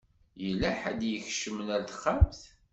Yella ḥedd i ikecmen ar texxamt.